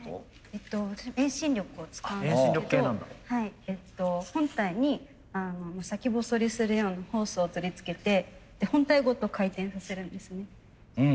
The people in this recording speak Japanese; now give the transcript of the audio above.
私も遠心力を使うんですけど本体に先細りするようなホースを取り付けて本体ごと回転させるんですね。